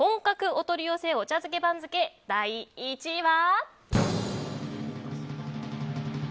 お取り寄せ茶漬け番付第１位は。